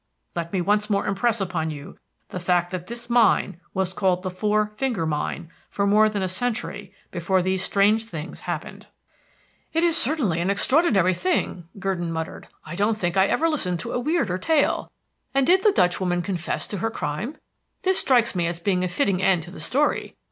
Let me once more impress upon you the fact that this mine was called the Four Finger Mine for more than a century before these strange things happened." "It is certainly an extraordinary thing," Gurdon muttered. "I don't think I ever listened to a weirder tale. And did the Dutch woman confess to her crime? This strikes me as being a fitting end to the story.